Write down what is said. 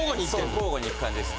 交互に行く感じです。